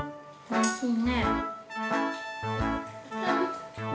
おいしい。